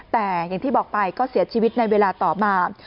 แต่อย่างที่บอกไปก็เสียชีวิตในเวลาต่อมา